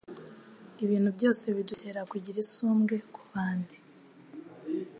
Ibintu byose bidutera kugira isumbwe ku bandi,